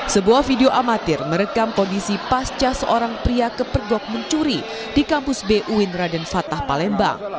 sebuah video amatir merekam kondisi pasca seorang pria kepergok mencuri di kampus buin raden fatah palembang